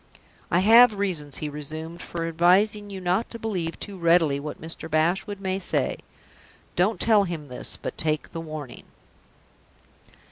"I have reasons," he resumed, "for advising you not to believe too readily what Mr. Bashwood may say. Don't tell him this, but take the warning."